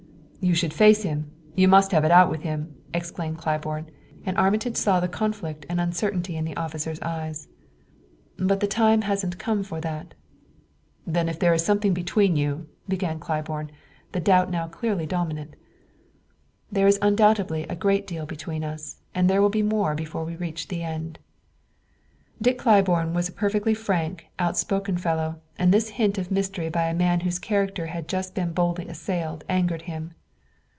"You should face him you must have it out with him!" exclaimed Claiborne, and Armitage saw the conflict and uncertainty in the officer's eyes. "But the time hasn't come for that " "Then if there is something between you," began Claiborne, the doubt now clearly dominant. "There is undoubtedly a great deal between us, and there will be more before we reach the end." Dick Claiborne was a perfectly frank, outspoken fellow, and this hint of mystery by a man whose character had just been boldly assailed angered him.